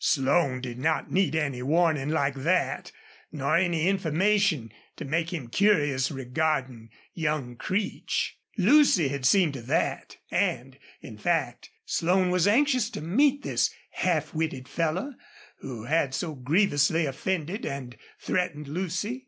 Slone did not need any warning like that, nor any information to make him curious regarding young Creech. Lucy had seen to that, and, in fact, Slone was anxious to meet this half witted fellow who had so grievously offended and threatened Lucy.